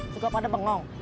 suka pada bengong